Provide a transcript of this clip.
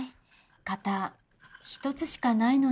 型１つしかないのに。